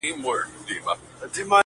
• شیطان ګوره چي ایمان په کاڼو ولي..